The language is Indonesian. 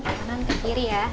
kanan ke kiri ya